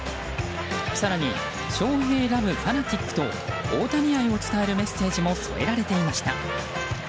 更に、「ショウヘイラブファナティック」と大谷愛を伝えるメッセージも添えられていました。